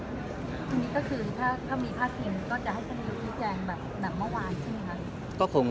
ก็จะให้ท่านนายชี้แจงแบบมาวายใช่ไหมครับ